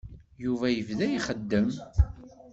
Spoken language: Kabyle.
Yuba yebda ixeddem.